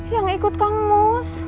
yang ikut kang mus